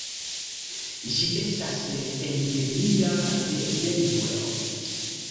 Ĝi estas endemia de Venezuelo.